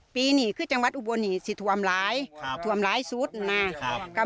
ปีนี้คือจังหวัดอุบวนิสิทธิ์ทวามหลายครับทวามหลายสุดน่ะครับ